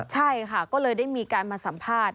ใช่ค่ะก็เลยได้มีการมาสัมภาษณ์